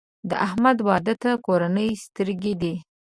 د احمد واده ته کورنۍ سترګې دي.